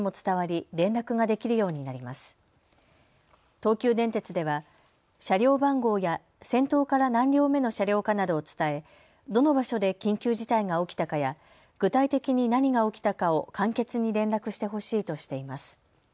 東急電鉄では車両番号や先頭から何両目の車両かなどを伝えどの場所で緊急事態が起きたかや具体的に何が起きたかを簡潔に連絡してほしいとしています。